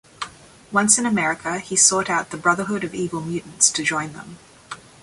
Once in America, he sought out the Brotherhood of Evil Mutants to join them.